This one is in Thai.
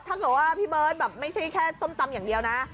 ถ้าเกิดว่าพี่เบิร์ตแบบไม่ใช่แค่ส้มตำอย่างเดียวนะ